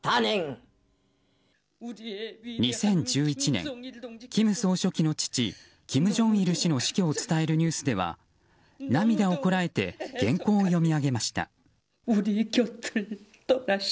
２０１１年、金総書記の父金正日氏の死を伝えるニュースでは涙をこらえて原稿を読み上げました。